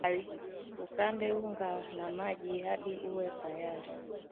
ukande unga na maji hadi uwe tayari